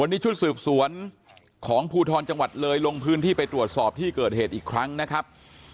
วันนี้ชุดสืบสวนของภูทรจังหวัดเลยลงพื้นที่ไปตรวจสอบที่เกิดเหตุอีกครั้งนะครับ